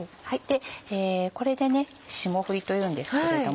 これでね「霜降り」というんですけれども。